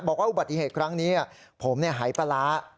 บอกว่าอุบัติเหตุครั้งนี้ผมหายปลาร้า